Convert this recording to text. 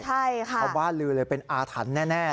ชาวบ้านลือเลยเป็นอาถรรพ์แน่